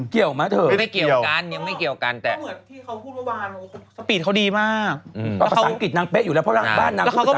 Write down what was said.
ภาษาอังกฤษนางเป๊ะอยู่แล้วเพราะบ้านนางกูเป็นภาษาอังกฤษหมด